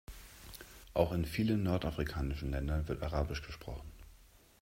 Auch in vielen nordafrikanischen Ländern wird arabisch gesprochen.